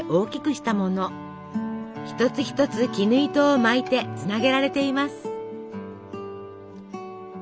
一つ一つ絹糸を巻いてつなげられています。